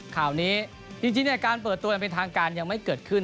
ข่าวนี้จริงการเปิดตัวอย่างเป็นทางการยังไม่เกิดขึ้น